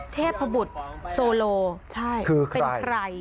เทพบุตรโซโลใช่เป็นใคร